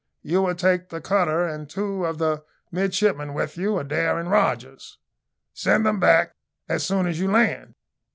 "You will take the cutter and two of the midshipmen with you Adair and Rogers. Send them back as soon as you land.